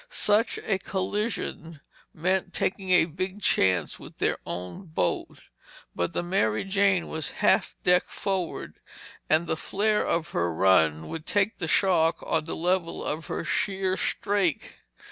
Such a collision meant taking a big chance with their own boat. But the Mary Jane was half decked forward and the flare of her run would take the shock on the level of her sheer strake.